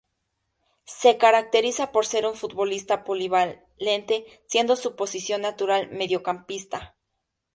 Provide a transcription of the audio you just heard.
Se caracteriza por ser un futbolista polivalente, siendo su posición natural mediocampista.